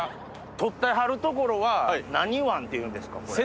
取ってはる所は何湾っていうんですか？